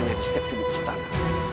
yang di setiap sudut istana